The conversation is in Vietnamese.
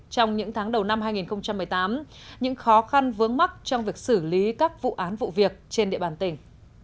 trong những tháng đầu năm hai nghìn một mươi tám những khó khăn vướng mắt trong việc xử lý các vụ án vụ việc trên địa bàn tỉnh